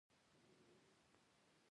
پسه د مالدارۍ نښه بلل کېږي.